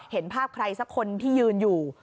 เห็นภาพใครสักคนที่ยืนอยู่